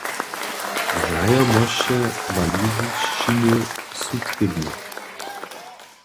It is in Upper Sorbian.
Znajomosće walizišćiny su trěbne.